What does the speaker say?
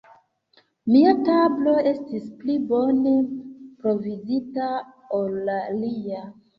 Mia tablo estis pli bone provizita ol la lia.